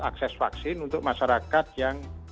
akses vaksin untuk masyarakat yang